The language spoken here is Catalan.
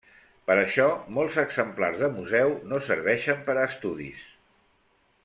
Per això molts exemplars de museu no serveixen per a estudis.